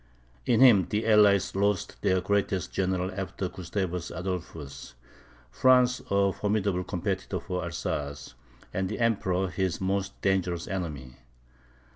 In him, the allies lost their greatest general after Gustavus Adolphus, France a formidable competitor for Alsace, and the Emperor his most dangerous enemy.